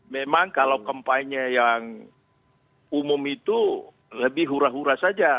memang kalau kampanye yang umum itu lebih hura hura saja